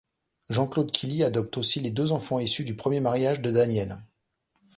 Jean-Claude Killy adopte aussi les deux enfants issus du premier mariage de Danièle.